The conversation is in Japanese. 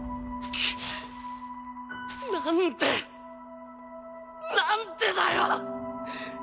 なんでなんでだよ！？